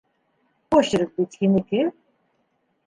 Почерк бит һинеке.